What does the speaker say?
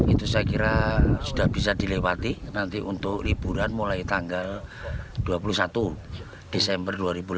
itu saya kira sudah bisa dilewati nanti untuk liburan mulai tanggal dua puluh satu desember dua ribu delapan belas